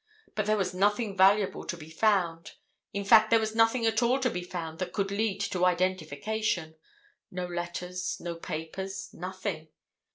But there was nothing valuable to be found; in fact there was nothing at all to be found that could lead to identification—no letters, no papers, nothing.